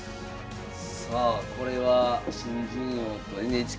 さあこれは新人王とＮＨＫ杯ですね。